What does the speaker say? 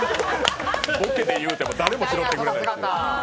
ボケで言うても、誰も拾ってくれなかった。